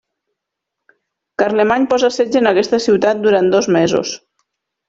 Carlemany posa setge en aquesta ciutat durant dos mesos.